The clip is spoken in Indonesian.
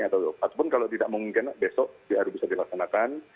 ataupun kalau tidak mungkin besok baru bisa dilaksanakan